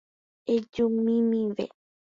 Ejumimive.